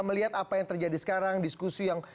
melihat apa yang terjadi sekarang diskusi yang